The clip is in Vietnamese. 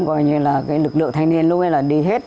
coi như là cái lực lượng thanh niên luôn là đi hết